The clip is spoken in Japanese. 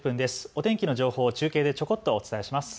お天気の情報を中継でちょこっとお伝えします。